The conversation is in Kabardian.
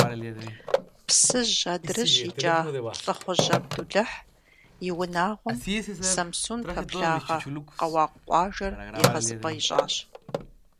Псыжь адрыщӀ икӀа ЛӀыхужь Абдулыхь и унагъуэм Самсун пэблагъэ Къэуакъ къуажэр егъэзыпӀэ ищӀащ.